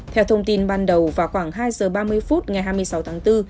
theo thông tin ban đầu vào khoảng hai giờ ba mươi phút ngày hai mươi sáu tháng bốn